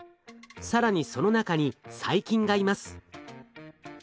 更にその中に細菌がいます。